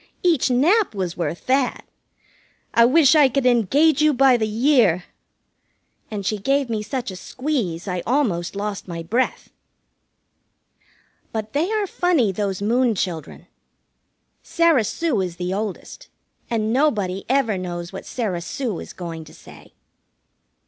Each nap was worth that. I wish I could engage you by the year!" And she gave me such a squeeze I almost lost my breath. But they are funny, those Moon children. Sarah Sue is the oldest, and nobody ever knows what Sarah Sue is going to say.